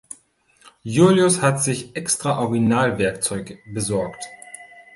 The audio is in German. Julius hat sich extra Originalwerkzeug besorgt.